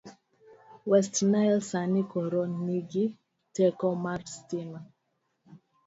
West Nile sani koro nigi teko mar sitima.